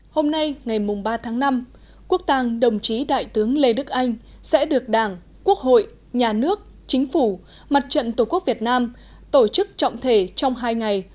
hôm nay ngày ba tháng năm quốc tàng đồng chí đại tướng lê đức anh sẽ được đảng quốc hội nhà nước chính phủ mặt trận tổ quốc việt nam tổ chức trọng thể trong hai ngày